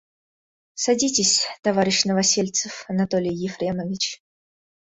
Садитесь, товарищ Новосельцев, Анатолий Ефремович.